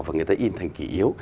và người ta in thành kỷ yếu